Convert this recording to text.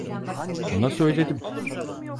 Ona söyledim.